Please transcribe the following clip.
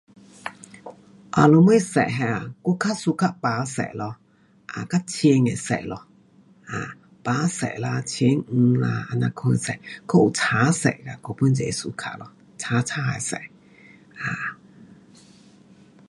有什么色啊，有较 suka 白色咯。较浅的色。白色较浅黄啊这样色，还有青色，我 pun 是会 suka 咯。青青的色。um